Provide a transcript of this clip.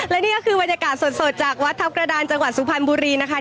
และนี่ก็คือบรรยากาศสดจากวัดทัพกระดานจังหวัดสุพรรณบุรีนะคะ